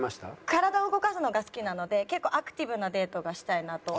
体を動かすのが好きなので結構アクティブなデートがしたいなとは。